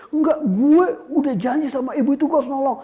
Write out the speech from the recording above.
enggak gue udah janji sama ibu itu gue harus nolong